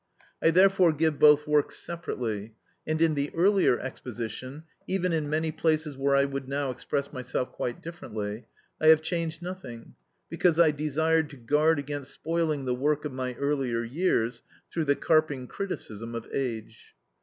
I therefore give both works separately, and in the earlier exposition, even in many places where I would now express myself quite differently, I have changed nothing, because I desired to guard against spoiling the work of my earlier years through the carping criticism of age.